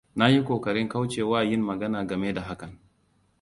Na yi kokarin kauce wa yin magana game da hakan.